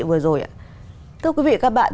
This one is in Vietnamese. vừa rồi thưa quý vị và các bạn